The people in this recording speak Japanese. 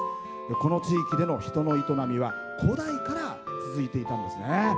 この地域での人の営みは古代から続いていたんですね。